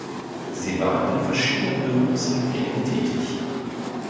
Sie war in verschiedenen Büros in Bremen tätig.